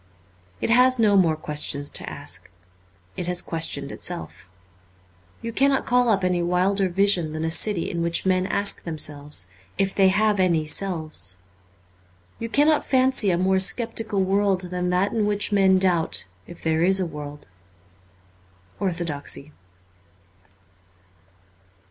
It has no more questions to ask ; it has questioned itself. You cannot call up any wilder vision than a city in which men ask themselves if they have any selves. You cannot fancy a more sceptical world than that in which men doubt if there is a world. ' Orthodoxy.'